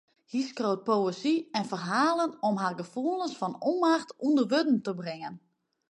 Hja skriuwt poëzy en ferhalen om har gefoelens fan ûnmacht ûnder wurden te bringen.